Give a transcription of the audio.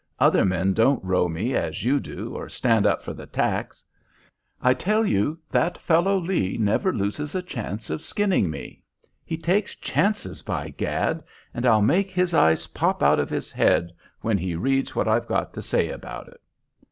Other men don't row me as you do, or stand up for the 'tacks.' I tell you that fellow Lee never loses a chance of skinning me: he takes chances, by gad, and I'll make his eyes pop out of his head when he reads what I've got to say about it."